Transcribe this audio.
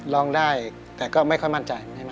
ร้องได้แต่ก็ไม่ค่อยมั่นใจ